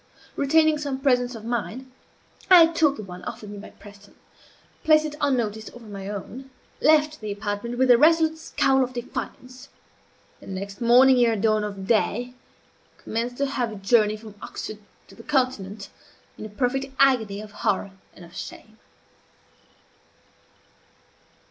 Retaining some presence of mind, I took the one offered me by Preston; placed it, unnoticed, over my own; left the apartment with a resolute scowl of defiance; and, next morning ere dawn of day, commenced a hurried journey from Oxford to the continent, in a perfect agony of horror and of shame.